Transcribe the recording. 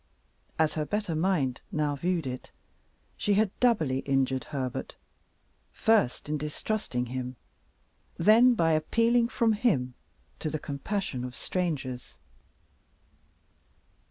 As her better mind now viewed it, she had doubly injured Herbert first in distrusting him; then by appealing from him to the compassion of strangers.